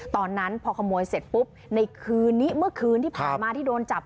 ตอนนั้นพอขโมยเสร็จปุ๊บในคืนนี้เมื่อคืนที่ผ่านมาที่โดนจับ